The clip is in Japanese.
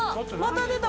出た。